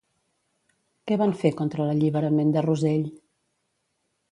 Què van fer contra l'alliberament de Rosell?